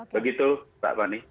begitu pak pani